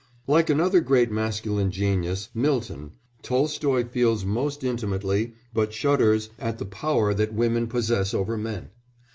Like another great masculine genius Milton Tolstoy feels most intimately, but shudders at the power that women possess over men.